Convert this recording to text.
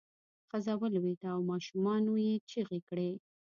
ښځه ولویده او ماشومانو یې چغې کړې.